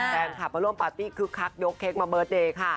แฟนคลับมาร่วมปาร์ตี้คึกคักยกเค้กมาเบิร์ตเดย์ค่ะ